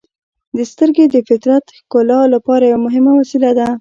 • سترګې د فطرت ښکلا لپاره یوه مهمه وسیله ده.